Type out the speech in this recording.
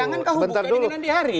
jangan kehubungkan dengan andi hari